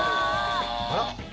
あら。